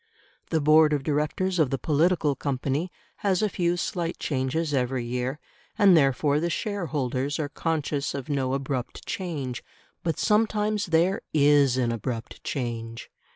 The board of directors of the political company has a few slight changes every year, and therefore the shareholders are conscious of no abrupt change. But sometimes there IS an abrupt change.